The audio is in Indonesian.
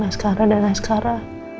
askara dan askara